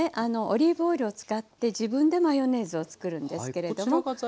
オリーブオイルを使って自分でマヨネーズを作るんですけれども。